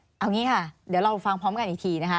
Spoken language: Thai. เอาอย่างนี้ค่ะเดี๋ยวเราฟังพร้อมกันอีกทีนะคะ